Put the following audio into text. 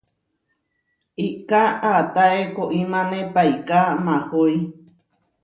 Iʼká aatáe koʼimáne paiká mahói.